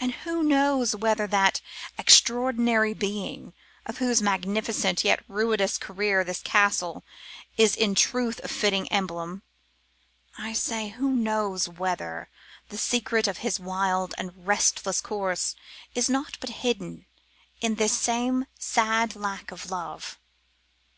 'And who knows whether that extraordinary being, of whose magnificent yet ruinous career this castle is in truth a fitting emblem I say, who knows whether the secret of his wild and restless course is not hidden in this same sad lack of love?